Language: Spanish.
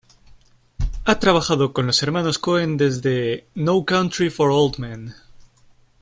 Ha trabajado con los hermanos Coen desde "No Country for Old Men".